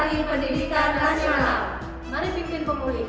mari bikin pemulihan bergerak untuk merdeka belajar